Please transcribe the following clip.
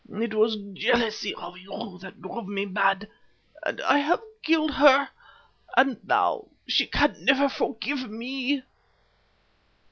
It was jealousy of you that drove me mad, and I have killed her, and now she never can forgive me."